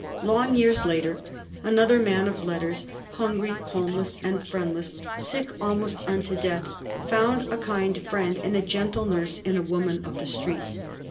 Long years later, another man of letters, hungry, homeless, and friendless, sick almost unto death, found a kind friend and gentle nurse in a woman of the streets.